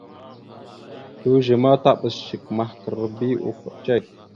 Slʉze ma taɓas shek mahəkar bi ufaɗ cek.